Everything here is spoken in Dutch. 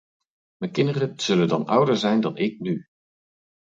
Mijn kinderen zullen dan ouder zijn dan ik nu.